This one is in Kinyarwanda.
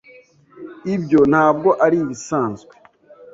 Ibyo ntabwo ari ibisanzwe.